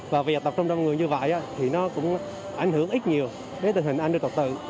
và việc tập trung đông người như vậy thì nó cũng ảnh hưởng ít nhiều đến tình hình an ninh trật tự